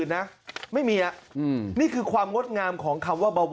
นี่คือความวดงามของคำว่า